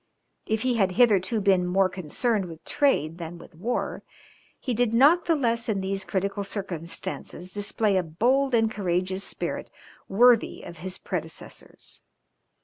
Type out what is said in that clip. If he had hitherto been more concerned with trade than with war, he did not the less in these critical circumstances display a bold and courageous spirit worthy of his predecessors.